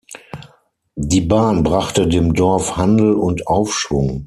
Die Bahn brachte dem Dorf Handel und Aufschwung.